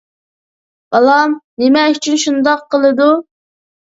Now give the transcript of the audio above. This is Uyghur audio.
بالام نېمە ئۈچۈن شۇنداق قىلىدۇ؟